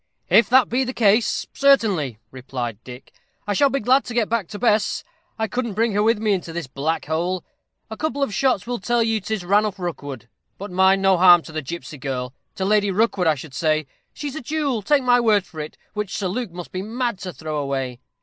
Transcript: "If that be the case, certainly," replied Dick. "I shall be glad to get back to Bess. I couldn't bring her with me into this black hole. A couple of shots will tell you 'tis Ranulph Rookwood. But mind, no harm to the gipsy girl to Lady Rookwood, I should say. She's a jewel, take my word for it, which Sir Luke must be mad to throw away."